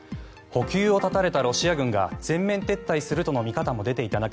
補給を断たれたロシア軍が全面撤退するとの見方も出ていた中